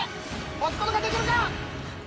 押す事ができるか？